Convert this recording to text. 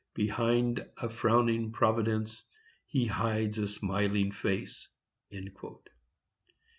"Behind a frowning providence He hides a smiling face."